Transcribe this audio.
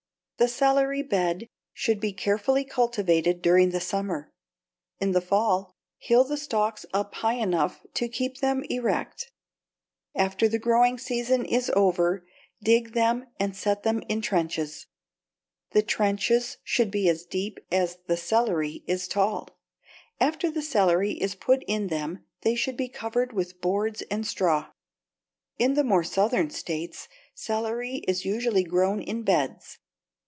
The celery bed should be carefully cultivated during the summer. In the fall, hill the stalks up enough to keep them erect. After the growing season is over dig them and set them in trenches. The trenches should be as deep as the celery is tall, and after the celery is put in them they should be covered with boards and straw. In the more southern states, celery is usually grown in beds.